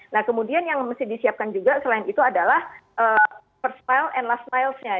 nah kemudian yang mesti disiapkan juga selain itu adalah first mile and last miles nya